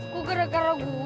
kok gara gara gue